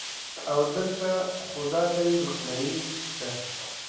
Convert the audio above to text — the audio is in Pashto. او د لته خو دادی روښنایې ده